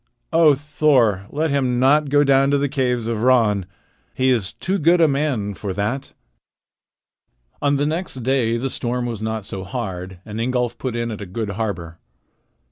O Thor, let him not go down to the caves of Ran! He is too good a man for that." On the next day the storm was not so hard, and Ingolf put in at a good harbor.